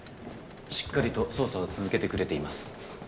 しっかりと捜査を続けてくれています。